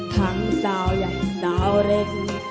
ทั้งสาวอย่างสาวเล่น